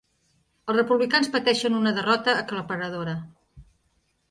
Els republicans pateixen una derrota aclaparadora